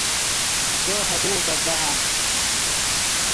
زو ہرزوغ گپ دہام